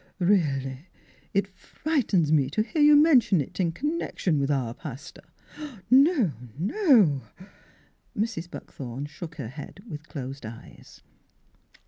Really, it frightens me to hear you mention it in connection with our pastor. No — no !" Mrs. Buckthorn shook her head, with closed eyes.